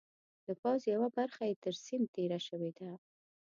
د پوځ یوه برخه یې تر سیند تېره شوې ده.